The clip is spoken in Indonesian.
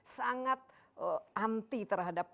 sangat anti terhadap